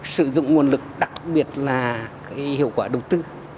sử dụng nguồn lực đặc biệt là hiệu quả đầu tư